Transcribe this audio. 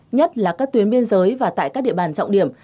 nhất là các tuyến biên giới và tại các địa bàn trọng điểm